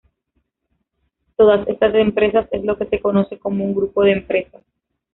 Todas estas empresas es lo que se conoce como un grupo de empresas.